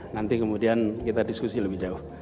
nanti kemudian kita diskusi lebih jauh